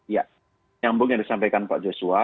ya nyambung yang disampaikan pak joshua